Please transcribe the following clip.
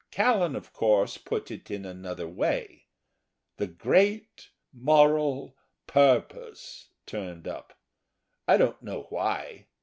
Callan, of course, put it in another way. The Great Moral Purpose turned up, I don't know why.